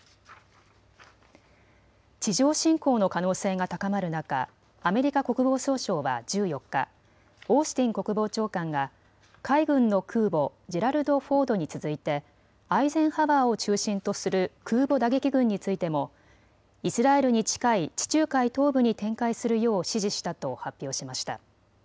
地上侵攻の可能性が高まる中、アメリカ国防総省は１４日、オースティン国防長官が海軍の空母、ジェラルド・フォードに続いてアイゼンハワーを中心とする空母打撃群についてもイスラエルに近い地中海東部に展開するよう指示したと発表しました。